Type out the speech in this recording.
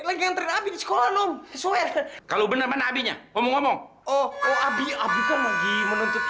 lagi nganterin abis kolon kalau bener bener abinya omong omong oh abi abi lagi menuntut